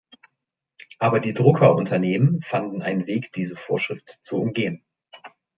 Aber die Drucker-Unternehmen fanden einen Weg, diese Vorschrift zu umgehen.